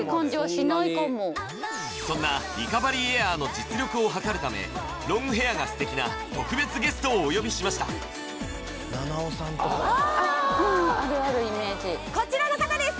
そんなそんなリカバリーエアーの実力を測るためロングヘアが素敵な特別ゲストをお呼びしましたあああるあるイメージこちらの方です